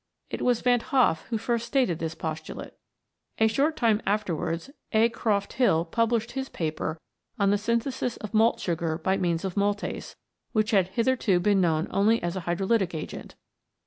It was Van 't Hoff who first stated this postulate. A short time afterwards A. Croft Hill published his paper on the synthesis of malt sugar by means of maltase, which had hitherto been known only as a hydrolytic agent.